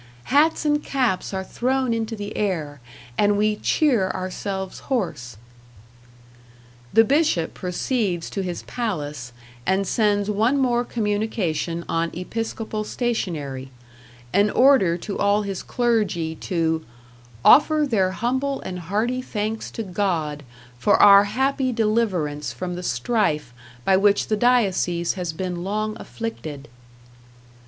Hats and caps are thrown into the air, and we cheer ourselves hoarse." The Bishop proceeds to his palace, and sends one more communication on episcopal stationery an order to all his clergy to "offer their humble and hearty thanks to God for our happy deliverance from the strife by which the diocese has been long afflicted."